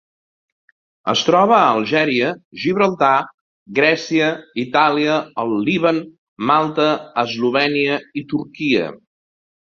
Es troba a Algèria, Gibraltar, Grècia, Itàlia, el Líban, Malta, Eslovènia i Turquia.